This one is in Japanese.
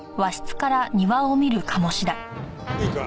いいか？